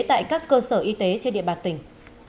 tại các cơ sở y tế trên địa bàn tỉnh